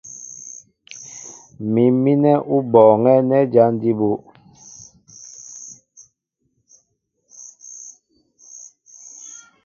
Mǐm mínɛ́ ó bɔɔŋɛ́ nɛ́ jǎn jí bú.